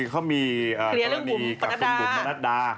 คลียร์เรื่องปุมพนัดดา